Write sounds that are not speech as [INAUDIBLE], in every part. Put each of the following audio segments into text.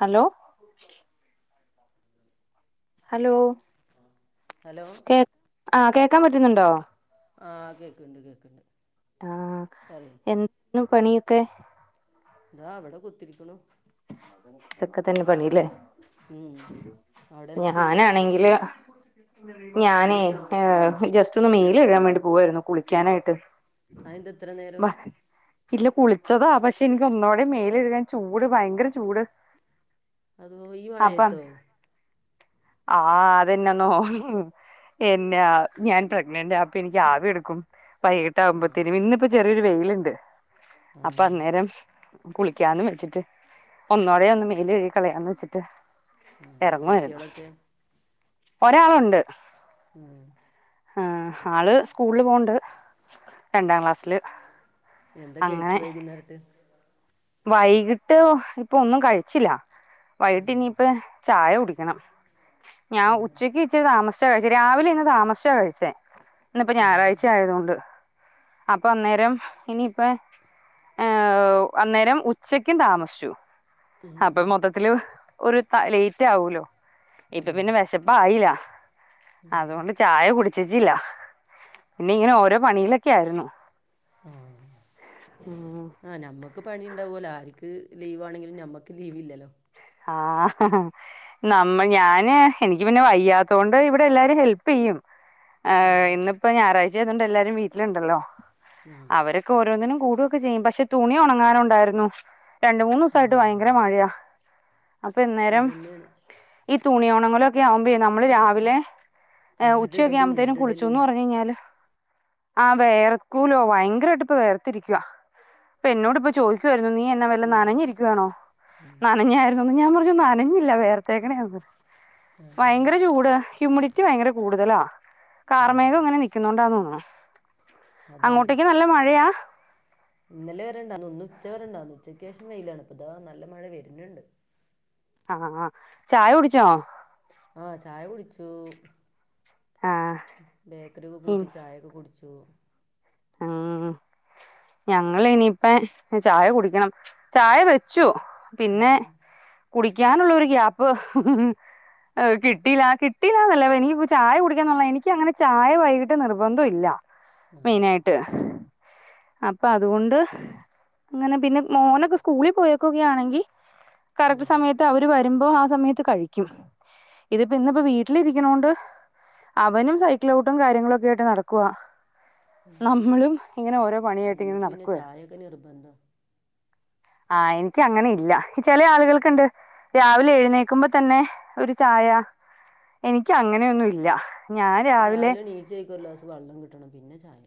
Hello hello hello കേ ആഹ് കേൾക്കാൻ പറ്റുന്നുണ്ടോ? ആഹ് കേൾക്കുണ്ട് കേൾക്കുണ്ട് ആഹ് എന്താണ് പണിയൊക്കെ ദാ വിടകുത്തിരിക്കുണു ഇതൊക്കെ തന്നെ പണില്ലേ ഉം അവിടെ എന്താ ചെയ്യണ് ഞാനാണെങ്കില് ഞാനെ ജസ്റ്റ് ഒന്ന് മേൽ കഴുകാൻ വേണ്ടി പോവായിരുന്നു കുളിക്കാനായിട്ട് അതെന്താ ഇത്ര നേരം ഇല്ല കുളിച്ചതാ പക്ഷെ എനിക്ക് ഒന്നൂടെ മേൽ കഴുകാൻ ചൂട് ഭയങ്കര ചൂട് അതോ ഈ മഴയത്തോ ആഹ് അതെന്നാ ന്നണ് എന്നാ ഞാൻ പ്രഗ്നൻ്റാ ഇപ്പ എനിക്ക് ആവി എടുക്കും വൈകിട്ട് ആ ആവുമ്പത്തേനും ഇന്നിപ്പ ചെറിയൊരു വെയിലുണ്ട് ആ അപ്പാ അന്നേരം കുളിക്കാന്ന് വെച്ചിട്ട് ഒന്നോടെ ഒന്ന് മേൽ കഴുകികളയാന്ന് വെ ച്ചിറ്റാ ആ ഇറങ്ങുമായിരുന്നു കുട്ടികളൊക്കെ ഒരാളുണ്ട് ഉം ആഹ് ആള് സ്കൂളിൽ പോകണ്ട് രണ്ടാം ക്ലാസ്സില് എന്താ കഴിച്ചു അങ്ങനെ വൈ കുന്നേരത്ത് വൈകിട്ട് ഇപ്പം ഒന്നും കഴിച്ചില്ല വൈകിട്ട് ഉം ഇനിപ്പ ചായ കുടിക്കണം ഞാൻ ഉം ഉച്ചക്ക് ഇച്ചിരി താമസിച്ചാ കഴിച്ചേ രാവിലെ ഇന്ന് താമസിച്ചാ കഴിച്ചേ ഇന്ന് ഇപ്പം ഏ ഞായറാഴ്ച ആയതുകൊണ്ട് അപ്പൊ അന്നേരം ഇനിയിപ്പേ ഏഹ് അന്നേരം ഉച്ചക്കും താമസിച്ചു ഉം അപ്പൊ മൊത്ത ത്തിലും ഒരു ലേറ്റ് ആവൂലോ ഇപ്പൊ ഉം പിന്നെ വെ ശപ്പ് ആയില്ല ഉം അതുകൊണ്ട് ചായ കുടിച്ചിച്ചി ല്ല പിന്നെ ഇങ്ങനെ ഓരോ പണിയിലൊക്കെ ആരുന്നു ഉം ആഹ് ഞമ്മുക്ക് പണി ഉണ്ടാവുമല്ലോ ആർക്ക് ലീവാണെങ്കിലും ഞമ്മക്ക് ലീവില്ലല്ലോ ആഹ് നമ്മ ഞാന് എനിക്ക് പിന്നെ വയ്യാത്തോ ണ്ട് ഇവിടെ എല്ലാരും ഹെല്പ് ചെയ്യും ആ ഇന്നിപ്പൊ ഞായറാഴ്ച്ച ആയതുകൊണ്ട് എല്ലാരും വീട്ടിലുണ്ടല്ലോ ആ അവരെ ഓരോന്നിനും കൂടുക്കെ ചെയ്യും പക്ഷെ തുണി ഉണങ്ങാനുണ്ടായിരുന്നു രണ്ട് മൂന്ന് ആ ദിവസായിട്ട് ഭയങ്കര മഴയാ അപ്പൊ ഇന്നേരം അതന്നെയാണ് ഈ തുണിയൊ ണങ്ങലൊ ക്കെ ആവുമ്പേ നമ്മള് രാവിലെ ഏഹ് അങ്ങട്ട് ഉച്ചയൊക്കെ ഇടലും ആവുമ്പത്തേനും ഇങ്ങട്ട് ഇടലും കുളിച്ചൂന്ന് പറഞ്ഞു കഴിഞ്ഞാല് ആഹാ വെയർക്കൂലോ വയങ്കരായിട്ട് ഇപ്പ വെയർത്തിരിക്കുവാ ഇപ്പെന്നോട്പ്പം ചോയ്ക്കു ആയിരുന്നു നീ പിന്നെ വല്ല നനഞ്ഞിരിക്കുവാണോ? നനഞ്ഞായിരുന്നോന്ന് ഞാൻ പറഞ്ഞു നനഞ്ഞില്ല വെയർത്തേക്ണെയാന്ന് ആ ഭയങ്കര ചൂട് ഹ്യൂമിഡിറ്റി കാറ്റ് ഭയങ്കര കൂടുതലാ ആ കാർമേഘം ഇങ്ങനെ നിക്കുന്നോണ്ടാന്ന് തോന്നുണു അതാണ് അങ്ങോട്ടേക്ക് നല്ല മഴയാ? ഇന്നലെ വരെണ്ടാർന്നു ഇന്ന് ഉച്ചവരെണ്ടാർന്നു ഉച്ചയ്ക്ക് ശേഷം വെയിലാണ്. ഇപ്പ ഇതാ നല്ല മഴ വര്ണണ്ട് ആഹ ആ ചായ കുടിച്ചോ? ആ ചായ കുടിച്ചു. ആ ബേക്കറി ഒക്കെ കൂട്ടി ചായയൊക്കെ കുടിച്ചു. ച്ചു. ആഹാ ഞങ്ങൾ ഇനിയിപ്പ ചായ കുടിക്കണം. ചായ വെച്ചു. പിന്നെ ഉം. കുളിക്കാനുള്ള ഒരു ഗ്യാപ്പ് ഹ് ഹ് കിട്ടീല്ല കിട്ടീല്ലാന്നല്ല, എനിക്കിപ്പൊ ചായ കുടിക്കാൻന്നുള്ള എനിക്കങ്ങനെ ചായ വൈകിട്ട് നിർബന്ധവില്ല. ആ മെയിനായിട്ട് അപ്പൊ അതുകൊണ്ട് ഇങ്ങനെ പിന്നെ മോനൊക്കെ സ്കൂളി പോയേക്കുകയാണെങ്കിൽ ആ കറക്ട് സമയത്ത് ത്ത് അവര് വരുമ്പോ ആ സമയത്ത് കഴിക്കും. ഇതിപ്പോ ഇന്ന്പ്പോ വീട്ടിലിരിക്ക്ണോണ്ട് അവനും സൈക്കിൾ ചൗട്ടും കാര്യങ്ങളൊക്കെ ആയിട്ട് നടക്കുവാ. ആ. നമ്മളും ഇങ്ങനെ ഓരോ പണിയായിട്ട് ഇങ്ങനെ നമുക്ക് പിന്നെ നടക്കുവായിരുന്നു ചായയൊക്കെ നിർബന്ധം ആഹ് എൻക്കങ്ങനെ ഇല്ല ചെലയാള്കൾക്ണ്ട്. രാവിലെ എഴുന്നേക്കുമ്പോ തന്നെ ഒരു ചായ എനിക്ക് അങ്ങനെയൊന്നും ഇല്ല. ഞാൻ ഇക്ക് രാവിലെ രാവിലെണിച്ചയ്ക്ക് ഒരു ഗ്ലാസ് വെള്ളം കിട്ടണം പിന്നെ ചായ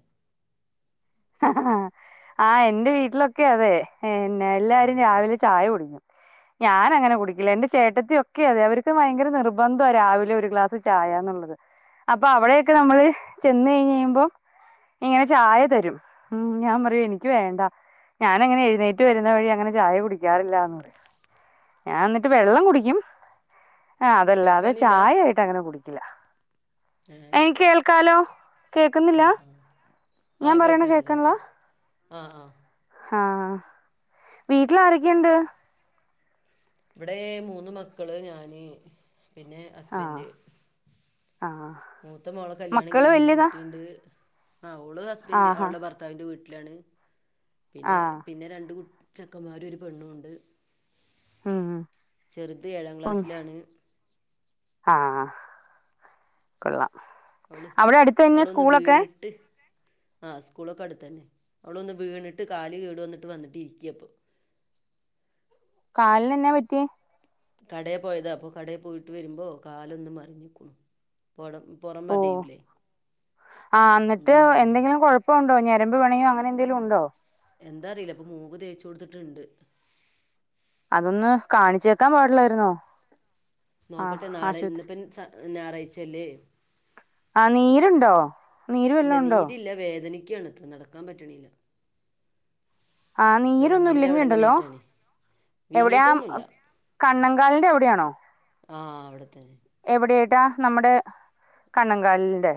ആ എൻ്റെ വീട്ടിലൊക്കെ അതെ പിന്നെ എല്ലാരും രാവിലെ ചായ കുടിക്കും. ഞാനങ്ങനെ കുടിക്കില്ല എന്റെ ചേട്ടത്തി ഒക്കെ അതെ അവർക്ക് ഭയങ്കര നിർബന്ധവാ രാവിലെ ഒരു ഗ്ലാസ് ചായാന്ന്ള്ളത്. അപ്പൊ അവിടെയൊക്കെ നമ്മള് ചെന്ന് കഴിഞ്ഞ് കഴിയുമ്പോം ഇങ്ങനെ ചായ തെരും. ഉം ഞാൻ പറിയും എനിക്ക് വേണ്ട. ഞാനങ്ങനെ എഴുന്നേറ്റ് വെരുന്ന വഴി അങ്ങനെ ചായ കുടിക്കാറില്ലാന്നു പറയാ ഞാ എന്നിട്ട് വെള്ളം കുടിക്കും ആ അതല്ലാതെ കേൾക്കാനില്ല ചായ ആയിട്ട് അങ്ങനെ കുടിക്കില്ല. ഏ എനിക്ക് കേൾക്കാലോ ആ കേക്ക്ന്നില്ല? ആ ഞാൻ പറിന്നെ കേൾക്ക്ല്ലാ? ആഹ ആഹാ ആഹാ വീട്ടിലാരൊക്കെയ്ണ്ട്? ഇവിടെ മൂന്ന് മക്കള് ഞാന് പിന്നെ ആഹ് ഹസ്ബൻഡ് ആഹ് മൂത്ത മോളെ കല്യാണം മക്കള് കഴിഞ്ഞ് ഒരു വല്യതാ കുട്ടിണ്ട്. ആ ഓള് ഹസ്ബൻ്റ ആഹാ അവളുടെ ഭർത്താ ഭത്താവിൻ്റെ വീട്ടിലാണ്. പിന്നെ ആഹ് പിന്നെ രണ്ട് കു ചെക്കമ്മാരും ഒരു പെണ്ണൂണ്ട്. ഉം ചെറ്ത് ഏഴാം ക്ലാസ്സിലാണ്. ആഹാ കൊള്ളാം. അവള് അവിടെ അടുത്ത് തന്നെ അവളൊന്ന് സ്കൂളൊക്കെ വീണട്ട് ആ സ്കൂളൊക്കെ അടുത്തന്നെ അവളൊന്ന് വീണിട്ട് കാല് കേട് വന്നിട്ട് വന്നിട്ട് ഇരിക്ക ഇപ്പോൾ കാലിന് എന്നാ പറ്റിയേ? കടേ പോയതാ അപ്പൊ കടേ പോയിട്ട് വരുമ്പോ കാലൊന്ന് മർഞ്ഞിക്കുണു പടം പൊറം ഓഹ് മടിയൂലേ? ഒന്ന് മടങ്ങി ഇപ്പം ഉണ്ടോ? ഞരമ്പ് പണയോ അങ്ങനെന്തെലുണ്ടോ? എന്താ അറീല്ല ഇപ്പം മൂവ് തേച്ച് കൊടുത്ത്ട്ട്ണ്ട്. അതൊന്ന് കാണിച്ചേക്കാം പാടില്ലായിരുന്നോ? ആഹ് നോക്കട്ടെ നാളെ ആശുപത്രി ഇന്നിപ്പൻസ് ഞാറയിച്ചല്ലേ? ആ നീരുണ്ടോ. നീര് ഇല്ല വല്ലോം ഉണ്ടോ നീരില്ല വേദനിക്കാണ് നടക്കാൻ പറ്റ്ണില്ല. ആഹ് നീരൊന്നും വെരലിന്റെ ഇല്ലെങ്കി അവിടെ ങ്ങനെ ഉണ്ടല്ലോ ആയിട്ടാണ് എവിടെയാ വീങ്ങീട്ടൊന്നുല്ല കണ്ണങ്കാലിന്റെ അവിടെയാണോ? ആഹ് അവ്ടെത്തന്നെ എവിടേയ്ട്ടാ നമ്മടെ കണ്ണങ്കാലിലിന്റെ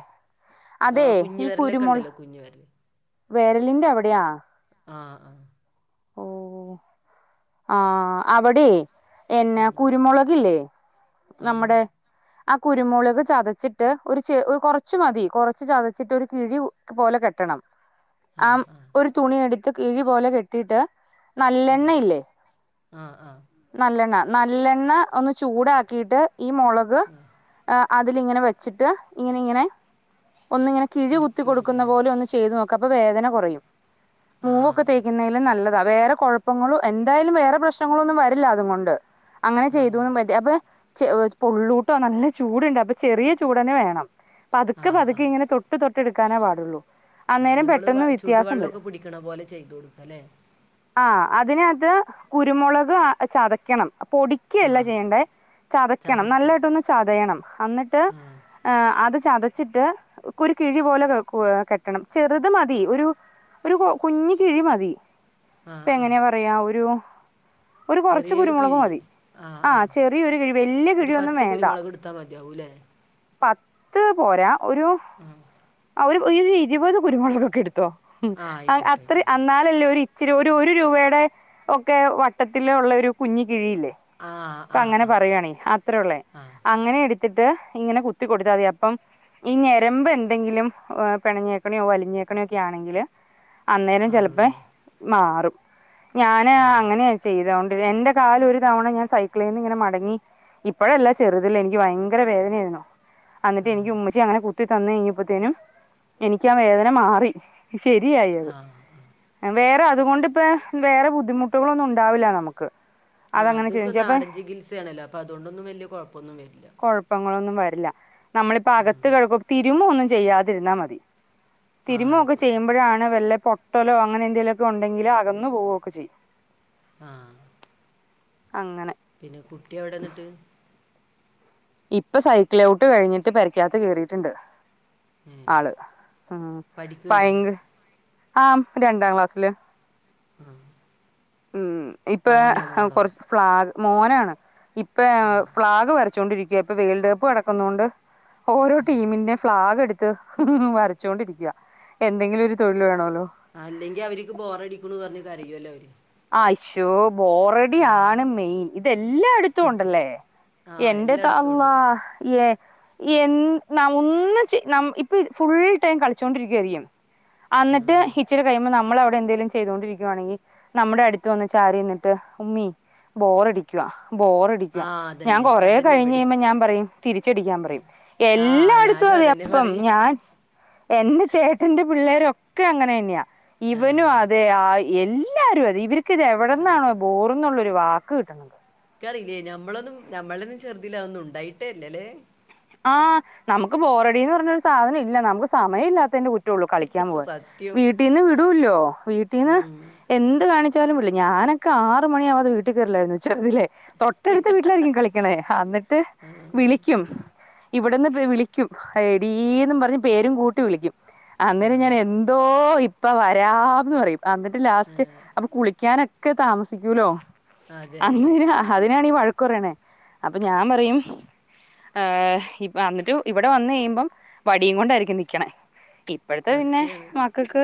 അതെ ആഹ് കുഞ്ഞ് ഈ വിരലൊക്കെ കുരുമുൾ ഉണ്ടല്ലോ കുഞ്ഞ് വിരല് വെര്ലിന്റെ അവിടെയാ ആഹ് ആഹ് ഓഹ് ആഹ് അവിടെ എന്ന കുരുമുളകില്ലേ ആഹ് നമ്മടെ ആഹ് കുരുമുളക് ചതച്ചിട്ട് ഒരു ചി കൊറച്ച് മതി കൊർച്ച് ചതച്ചിട്ട് ഒരു കിഴി പോലെ കെട്ടണം ആഹ് ഒരു തുണി എടുത്ത് കിഴി പോലെ കെട്ടീട്ട് നല്ലെണ്ണല്ലേ ആഹ് ആഹ് ആഹ് നല്ലെണ്ണ നല്ലെണ്ണ ഒന്ന് ചു ചൂടാക്കീട്ട് ഈ മുളക് ആഹ് ഏഹ് അതിലിങ്ങനെ വെച്ചിട്ട് ഇങ്ങനെങ്ങനെ ഒന്നിങ്ങനെ കിഴി കുത്തി പൊടിച്ചു കൊടുക്കുന്ന കൊടുക്കുവല്ലേ പോലൊന്ന് ചെയ്ത് നോക്ക് അപ്പൊ വേദന കുറയും മൂവൊക്കെ ആഹ് തേ ലും നല്ലതാ വേറെ കൊഴപ്പങ്ങളും എന്തായാലും വേറെ പ്രശ്നങ്ങളൊന്നും വരില്ല അതും കൊണ്ട് അങ്ങനെ ആഹ് ചെയ്തൂന്ന് പറ്റെ അപ്പേ ചെവ് പൊള്ളൂട്ടോ നല്ല ചൂട്ണ്ട് അപ്പൊ ചെറിയ ചൂടന്നെ വേണം പതുക്കെ ആഹ് പതുക്കെ ആഹ് ഇങ്ങനെ തൊ ക് തൊട്ടെട്ക്കാനാപാടൊള്ളൂ. ആഹ്‌ നമ്മള് വാ ചൂടു വെള്ളൊക്കെ പിടിക്കണ പോലെ ചെയ്ത്കൊടുക്കാലേ. ആഹ് അതിനത് കുരുമുളക് അ ചതക്കണം പൊടി ക്കല്ല ആഹ് ചെയ്യണ്ടേ ചതക്കണം ചതക്കുക നല്ലതാട്ടൊന്ന് ചതയണം അന്നിട്ട് ആഹ് ഏഹ് അത് ചതച്ചിട്ട് ഒരു കിഴി പോലെ കോ കെട്ടണം ചെറുത് മതി ഒരു ഒരു കു കുഞ്ഞി കിഴി മതി ആഹ് ആഹ് ഇപ്പങ്ങനെയാ പറയാ ഒരു ഒരു ചെറിയൊരു കൊറച്ച്കുരുമുളക് കിഴി മതി ആഹ് ചെറിയൊരു കിഴി വല്യ ഒരു കിഴിയൊന്നും പത്ത് വേണ്ട കുരുമുളക് എടുത്താൽ മതിയാവൂല്ലേ പത്ത് പോരാ ഒരു ഉം ആ ഒര് ഇരുഇരുപത് കുരുമുളകൊക്കെ ഇട്ത്തോ മ് ആഹ് അ ആയിക്കോട്ടെ അത്ര ആയിക്കോട്ടെ അന്നാ ല്ലേ ഒരു ഇച്ചിരി ഒരു ഒരു രൂപയുടെ ഒക്കെ വട്ടത്തിലുള്ള ഒരു കുഞ്ഞി കിഴിയില്ലേ. ആഹ് പ്പ ആഹ് അങ്ങനെ ആഹ് പറയാണെ അത്രൊള്ളേ ആഹ് അങ്ങനെ എടു ത്തിട്ട് ഇങ്ങനെ കുത്തി കൊടുത്താമതി അപ്പം ഈ ഞരമ്പ് എന്ത എന്തെങ്കിലും ആഹ് പിണഞ്ഞേക്കണേ വലിഞ്ഞേക്കണെ ഒക്കെ ആണെങ്കിൽ അന്നേരം ചെലപ്പെ മാറൂല്ലേ മാറും ഞാന് ആഹ് അങ്ങനേയ ചെയ്തോ എന്റെ കാല്ഒരു തവണ ഞാൻ സൈക്കിളീന്നിങ്ങനെ മടങ്ങി ഇപ്പോഴല്ല ചെറുതില് എനിക്ക് ഭയങ്കര വേദനയിരുന്നു അന്നിട്ട് ഉം. എനിക്കു ഉമ്മച്ചി അങ്ങനെ കുത്തി തന്ന് കഴിഞ്ഞപ്പോത്തിനും എനിക്കാവേദന മാറി ആ ശരിയായത്. ആ. വേറെ അതുകൊണ്ടിപ്പൊ വേറെ ബുദ്ധിമുട്ടുകളൊന്നും ഉണ്ടാവില്ല നമക്ക്. ആഹ് അതൊക്കെ നാടൻ ചികിത്സേണെല്ലോ അപ്പൊ അതോണ്ടൊന്നും വല്ല്യ കൊഴപ്പൊന്നുംവര്ല്ല. ഇപ്പം അങ്ങനൊന്നും വരില്ല നമ്മളിപ്പ ഉം. അകത്ത് കഴകു തിരുമ്പൊന്നും ചെയ്യാതിരുന്നാ മതി ആ ആയിക്കോട്ടെ തിരുമ്മൊക്കെചെയുമ്പൊഴാണ് വല്ല പൊട്ടലോ അങ്ങനെന്തെങ്കിലൊക്കെ ഉണ്ടെങ്കില് അകന്നു പോവൊക്കെ ചെയ്യും. ആഹ്. അങ്ങനെ. പിന്നെ കുട്ടി എവിടെന്നിട്ട് ഇപ്പ സൈക്കിള് ചൗട്ട് കഴിഞ്ഞിട്ട് പെരക്യാത്ത് കേറീട്ട്ണ്ട്. ഉം. ആള് ഉം പഠിക്കുന്നുണ്ടോ പയങ്ക് ആഹ് രണ്ടാം ക്ലാസില്. ഉം മ് ഇപ്പ മോളോ കൊർച്ച് ഫ്ളാഗ് മോനാണ്. ആ ഇപ്പഫ്ളാഗ് വര ച്ചോണ്ടിരിക്ക ഇപ്പൊ വേൾഡ് കപ്പ് നടക്കുന്നോണ്ട് ഓരോ ഉം. ടീമിന്റെ ഫ്ളാഗ് എട് ത് വരച്ചോണ്ടിരിക്ക എന്തെങ്കിലൊരു തൊഴിൽ വേണോല്ലോ ആ അല്ലെങ്കി അവര്ക്ക് ബോറടിക്കുംന്ന് പർഞ്ഞ് കരയൊല്ലോ അവര്. ആശോ ബോറടി ആണ് മെയിൻ ഇതെല്ലായിടുത്തുംണ്ടല്ലേ. ആ എന്റെ എല്ലായിടത്തും ഉണ്ട് തളളാഹ് ഏഹ്‌ എ ന ഒന്ന് ന ഇപ്പ ഫുൾ ടൈം കളിച്ചൊണ്ടിരിക്കായിരിക്കും അന്നിട്ട് ഉം. ഇച്ചിരി കഴിയുമ്പോ നമ്മൾ അവിടെ എന്തേലും ചെയ്തോണ്ടിരിക്കുവാണെങ്കിൽ നമ്മുടെ അടുത്ത് വന്ന് ചാരിനിന്നിട്ട് ഉമ്മീ ബോറടിക്കുവാ ബോറടി ആ [INAUDIBLE] ഞാൻ അതന്നെ കൊറെ അതന്നെ കഴിഞ്ഞ് ഇവിടെ കഴിയുമ്പോ ഞാൻ പറയും തിരിച്ചടിക്കാൻ പറയും. ആ എല്ലാടുത്തും ഞാനും അതെ അതന്നെ അപ്പം പറയും ഞാൻ എന്റെ ചേട്ടന്റെ പിള്ളേരൊക്കെ അങ്ങനെന്നെയാ ആ ഇവനും അതെ ആ എല്ല [UNINTELLIGIBLE] ഇവർക്ക് ഇത് അതെ എവിടെന്നാണോ ബോർന്നുള്ളൊരു വാക്ക് കിട്ടണത്. ക്കറിയില്ലേനി ഞമ്മളൊന്നും നമ്മളൊന്നു ചെറുതിലെ അതൊന്നും ഉണ്ടായിട്ടേല്ലലേ ആഹ് നമുക്ക് ബോറടിന്ന് പറഞ്ഞൊരു സാധനം ഇല്ല നമുക്ക് സമയം ഇല്ലാത്തതിന്റെ കു കളിക്കാൻ പോവാൻ സത്യം വീട്ടിന്ന് വിടുല്ലോ വീട്ടിന്ന് ഉം എന്ത് കാണി ച്ചാലും വിടില്ല ഞാനൊക്കെ ആറ് മണിയാവാതെ വീട്ടിൽ കേറില്ലായിരുന്നു ചെറുതിലെ തൊട്ടടുത്ത വീട്ടിലായിരിക്കും കളിക്കണേ എന്നിട്ട് ആഹ് വിളിക്കും. ഇവിടെന്ന് പേവിളിക്കും എടീ ന്നും പറഞ്ഞ് പേരും കൂട്ടി വിളിക്കും അന്നേരം ഞാൻ അതെ എ തോ ഇപ്പൊ വരാന്ന് പറയും എന്നിട്ട് ലാസ്റ്റ് ആഹ് അപ്പൊ കുളിക്കാനൊ ഒക്കെ താമസിക്കൂലോ അതെ അതെ അങ്ങ അതിനാണീ വഴക്കു പറയണേ അപ്പം ഞാൻ പറയും ഏ അന്നിട്ട് ഇവിടെ വന്ന് കഴിയുമ്പം വടിയും കൊണ്ടായിരിക്കും നിക്കണേ ഇപ്പോഴത്തെ പിന്നെ സത്യാണ് മക്കക്ക്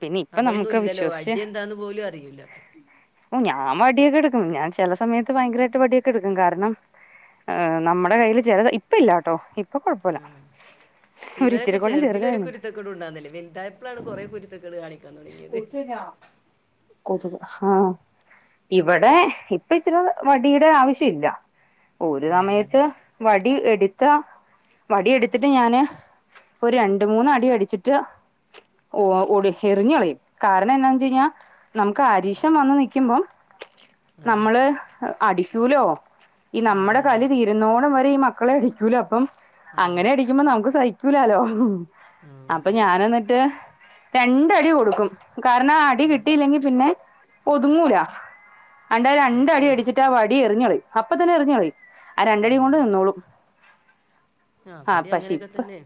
പിന്നെ ഇപ്പൊ അതൊന്നും നമുക്ക് ഇല്ലല്ലോ വിശ്വസിച്ച് അടി എന്താന്ന് പോലും അറിയൂല ഓ ഞാൻ വടിയൊക്കെ എടുക്കും ഞാൻ ചില സമയത്ത് ഭയങ്കരാ യിട്ട് വടിയൊക്കെ എടുക്കും കാരണം ആ നമ്മുടെ കയ്യിൽ ചില ഇപ്പല്ലാട്ടോ ഇപ്പൊ കൊഴപ്പല്ല. ആഹ് ഇവരൊക്കെ ചെറുതിലൊരു കുരുത്തക്കേടുംണ്ടായിരുന്നില്ല വലുതായപ്പളാണ് കുറെ കുരുത്തക്കേട് കാണിക്കാൻ തുടങ്ങിയത് [INAUDIBLE] കൊതുക് ഹാ ഇവിടെ ഇപ്പ ഇച്ചിരി വടിയുടെ ആവിശ്യ ഇല്ല ഒരു ഉം സമയത്ത് വടി എട്ത്ത വടി എടുത്തിട്ട് ഞാൻ ഒരു രണ്ട് മൂന്ന് അടി അടിച്ചിട്ട് ഓ ഒടി എറിഞ്ഞ്കളയും കാരണം എന്താന്ന് വച്ച്കഴിഞ്ഞാ നമുക്ക് അരീശം വന്നു നിക്കുമ്പം അതെ നമ്മള് അടിക്കൂലോ ഈ അതെ നമ്മുടെ അതെ കലി തീരുന്നോണം വരെ ഈ മക്കളെ അടിക്കൂല അപ്പം അതെ അങ്ങനെ അടി ക്കുമ്പം നമുക്ക് സഹിക്കൂലാല്ലോ ഉം അപ്പൊ ഞാൻ എന്നിട്ട് രണ്ടടി കൊടുക്കും കാരണം ആ അടി അതെ കിട്ടിയില്ലെങ്കിൽ പിന്നെ ഒതുങ്ങൂല അണ്ട് രണ്ട് അടി സത്യാണ് അടിച്ചിട്ട് ആ വടി എറിഞ്ഞിളിയും. അപ്പം തന്നെ എറിഞ്ഞ്കളീം ആ രണ്ടടിയും ഉം കൊണ്ട് നിന്നോളും. ആ അവിടേം പക്ഷെ അങ്ങനെയൊക്കെ ഇപ്പ തന്നെ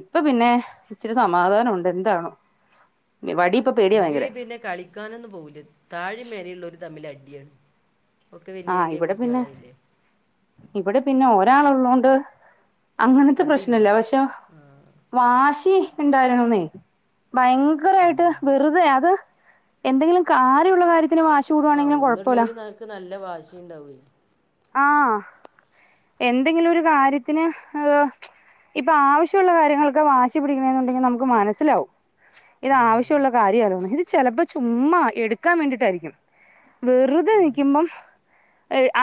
ഇപ്പം പിന്നെ ഇച്ചിരി സമാധാനം ഉണ്ട് ന്താണോ വടി ഇപ്പൊ പേടിയാ ഭയങ്കര ഇവയ് പിന്നെ കളിക്കാനൊന്നും പോവൂല താഴിം മേലെള്ളൊരു തമ്മിൽ അടിണ് ഒക്കെ വല്യ ആ വല്യ ഇവിടെ പിന്നെ കുട്ട്യാളായില്ലേ ഇവിടെ പിന്നെ ഒരാൾള്ളോണ്ട് അങ്ങനത്തെ അതില്ല പ്രശ്നല്ല പക്ഷെ ആ വാശി ഉണ്ടായിരുന്നുന്നേ ഭയങ്കരയിട്ട് വെറുതെ അത് എന്തെങ്കിലും കാര്യള്ള കാര്യത്തിന് വാശി ആഹ് കൂടുവാണെങ്കിലും കുഴപ്പമില്ല ഒന്നുള്ളോര്ന്നാക്ക് നല്ല വാശിണ്ടാവേ ആ എന്തെങ്കിലും ഒരു കാര്യത്തിന് [INAUDIBLE] ഇപ്പൊ ആവശ്യള്ള കാര്യങ്ങൾക്ക് വാശി പിടിക്കണെന്നുണ്ടെങ്കി നമുക്ക് മനസ്സിലാവും ഇത് ഉം ആവശ്യമുള്ള കാര്യയിരുന്ന്. ഇത് ചിലപ്പോ ചുമ്മാ എടുക്കാൻ വേണ്ടീട്ടായിരിക്കും. വെറുതെ അതെ നിക്കുമ്പം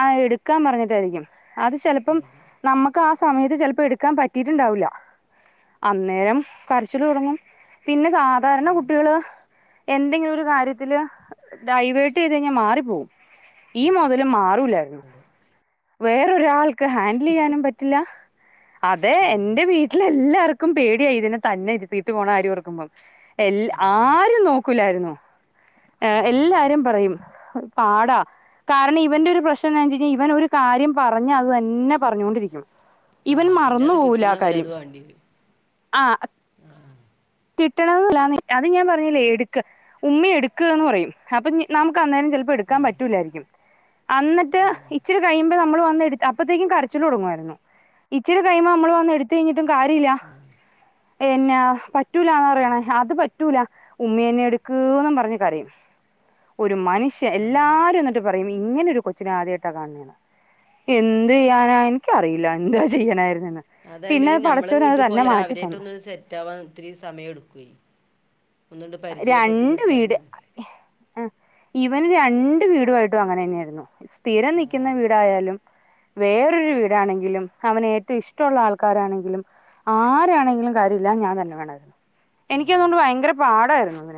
ആ എടുക്കാൻ പറഞ്ഞിട്ടായിരിക്കും. അത് ചിലപ്പം അതെ നമ്മക്ക് ആ സമയത്ത് ചിലപ്പോ എടുക്കാൻ പറ്റീട്ടുണ്ടാവൂല്ല അന്നേരം കരച്ചില് തുടങ്ങും പിന്നെ സാധാരണ കുട്ടിൾ എന്തെങ്കിലും ഒരു കാര്യത്തിൽ ഡൈവേർട്ട് ചെയ്ത് കഴിഞ്ഞാ മാറിപ്പോവും. ഈ മുതലും മാറൂല്ലായിരുന്നു. [INAUDIBLE] വേറൊരാൾക്ക് ഹാൻഡിൽ യ്യാനും പറ്റില്ല അതെ ഉം എന്റെ വീ എല്ലാവർക്കും പേടിയാ ഇതിനെ തന്നെ ഇരുതീട്ടു പോണകാര്യം ഓർക്കുമ്പോ എ ഉം ആരും നോ നോക്കുലായിരുന്നു ഏ എല്ലാവരും പറയും പാടാ കാരണം ഇവന്റെ ഒരു പ്രശ്നം എന്താ വെച്ച് കഴിഞ്ഞാൽ ഇവൻ ഒരു കാര്യം പറഞ്ഞാൽ അത് തന്നെ പറഞ്ഞുകൊണ്ടിരിക്കും. ആ ഇവൻ പിന്നെ മറന്നു അത് പോവുല ആ കിട്ടണവരെ കാര്യം അത് വേണ്ടി വരും ആ കിട്ടണത് എന്നല്ലാന്നേ അത് ഞാൻ പറഞ്ഞില്ലേ എടുക്ക് ഉമ്മി എടുക്ക് എന്ന് പറയും അപ്പൊ നമുക്ക് അന്നേരം ചിലപ്പോ ആ എടുക്കാൻ പറ്റൂല്ലായിരിക്കും. എന്നിട്ട് ആ ഇച്ചിരി കഴിയുമ്പോ നമ്മൾ വന്ന എടുത്തെ അപ്പോഴേത്തേക്കും കരച്ചിൽ തുടങ്ങുമായിരുന്നു. ഇച്ചിരി കഴിയുമ്പോ നമ്മൾ വന്ന് എടുത്ത് കഴിഞ്ഞിട്ടും കാര്യല്ല ആ പിന്നെ പറ്റൂലാന്ന് പറയണേ അത് പറ്റൂല ഉമ്മി എ ന്നെ എടുക്ക് എന്ന് പറയും കരയും. ഒരു മനുഷ്യൻ അതാണ് എല്ലാരും എന്നിട്ട് പറയും ഇങ്ങനെ ഒരു കൊച്ചിനെ ആദ്യമായിട്ടാ കാണണമെന്ന് എന്തിയന എനിക്കറിയില്ല എന്താ ചെയ്യാനായിരുനെന്ന് അത് അല്ലേലും ഞമ്മൾ വീട്ടിൽ പോയ് അവരായിട്ട് തന്നു ഒന്ന്സെറ്റ് പറ്റാവാൻ ഒത്തിരി സമയം എടുക്കേ ഒന്നു അങ്ങട്ട് പരിചയപ്പെട്ട് കിട്ടാൻ. ആ ഇവൻ രണ്ട് വീടുവാ യിട്ടും അങ്ങനെ ന്നെയായിരുന്നു. സ്ഥിരം ആ നിക്കുന്ന വീടായാലും വേറൊരു വീടാണെങ്കിലും, അവൻ ഏറ്റവും ഇഷ്ടമുള്ള ആൾക്കാരാണെങ്കിലും ആരാണെങ്കിലും കാര്യമില്ല ഞാൻ തന്നെ വേണമായിരുന്നു. എനിക്കതുകൊണ്ട് ഭയങ്കര പാടായിരുന്നുഅത്.